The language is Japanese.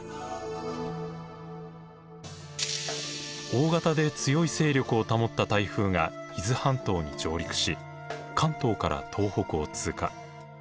大型で強い勢力を保った台風が伊豆半島に上陸し関東から東北を通過。